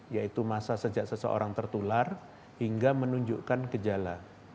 yaitu masa sejak seseorang tertular hingga menunjukkan gejala